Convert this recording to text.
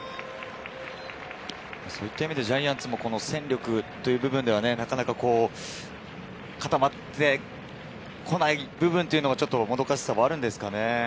ジャイアンツも戦力という部分では、なかなか固まってこない部分というのがもどかしさもあるんですかね？